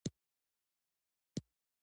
افغانستان د نړی د لرغونو سیمو څخه دی.